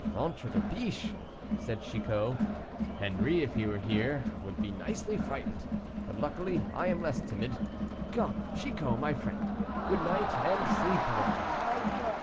"Ventre de biche!" said Chicot, "Henri, if he were here, would be nicely frightened; but, luckily, I am less timid. Come, Chicot, my friend, good night and sleep well."